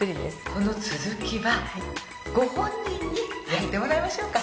この続きはご本人にやってもらいましょうか。